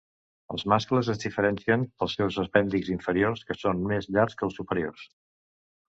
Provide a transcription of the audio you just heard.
Els mascles es diferencien pels seus apèndixs inferiors, que són més llargs que els superiors.